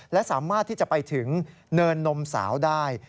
และสามารถที่จะไปถึงเนินนมสาวได้